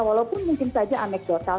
walaupun mungkin saja aneg aneg dosa